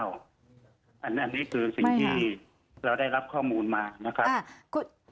อันนี้คือสิ่งที่เราได้รับข้อมูลมานะครับ